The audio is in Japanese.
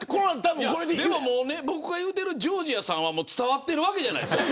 僕が言うてるジョージアさんは伝わってるわけじゃないですか。